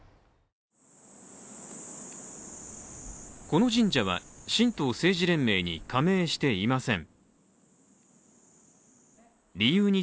この神社は、神道政治連盟に加盟していません。